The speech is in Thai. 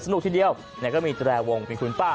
สนุกที่เดียวเนี่ยก็มีแจรวงเป็นคุณป้า